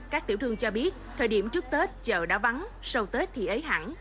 các tiểu thương cho biết thời điểm trước tết chợ đã vắng sau tết thì ế hẳn